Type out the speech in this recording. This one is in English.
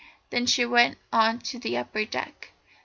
Then she went on to the upper deck.